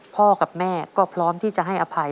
พ่อกับแม่ก็พร้อมที่จะให้อภัย